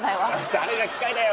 誰が機械だよ！